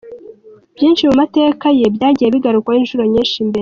Byinshi ku mateka ye byagiye bigarukwaho inshuro nyinshi mbere.